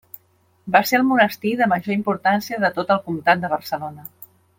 Va ser el monestir de major importància de tot el comtat de Barcelona.